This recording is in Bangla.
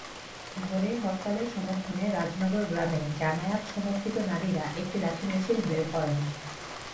ভোরে হরতালের সমর্থনে রাজনগর গ্রামে জামায়াত-সমর্থিত নারীরা একটি লাঠি মিছিল বের করেন।